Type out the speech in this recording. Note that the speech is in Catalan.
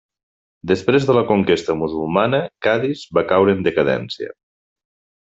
Després de la conquesta musulmana, Cadis va caure en decadència.